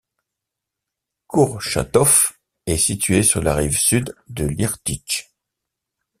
Kourtchatov est située sur la rive sud de l'Irtych.